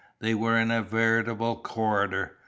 They were in a veritable corridor.